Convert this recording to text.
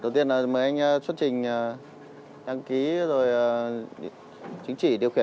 được năm mươi người và hai ô tô hả